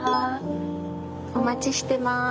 お待ちしてます。